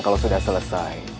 kalau sudah selesai